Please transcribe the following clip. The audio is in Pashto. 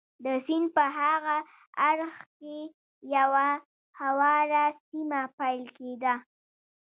د سیند په هاغه اړخ کې یوه هواره سیمه پیل کېده.